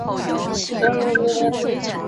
明朝洪武二年降为慈利县。